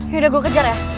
yaudah gua kejar ya